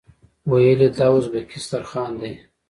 ویل یې دا ازبکي دسترخوان دی.